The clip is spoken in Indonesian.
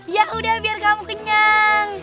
ya udah biar kamu kenyang